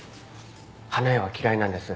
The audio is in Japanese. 花屋は嫌いなんです。